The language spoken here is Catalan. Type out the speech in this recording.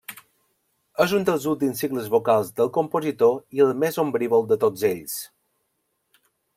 És un dels últims cicles vocals del compositor i el més ombrívol de tots ells.